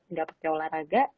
enggak pakai olahraga